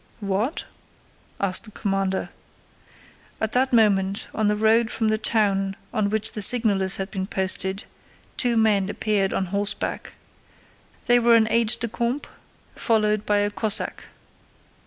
"What?" asked the commander. At that moment, on the road from the town on which signalers had been posted, two men appeared on horse back. They were an aide de camp followed by a Cossack.